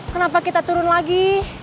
kenapa kita turun lagi